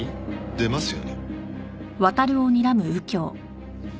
出ますよ。